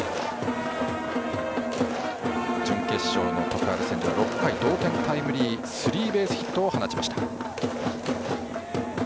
準決勝の徳栄戦では６回、同点タイムリースリーベースヒットを放ちました。